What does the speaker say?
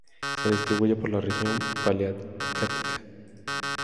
Se distribuye por la región paleártica